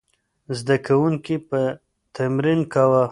زده کوونکي به تمرین کاوه.